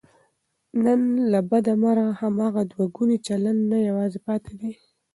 نن له بده مرغه، هماغه دوهګونی چلند نه یوازې پاتې دی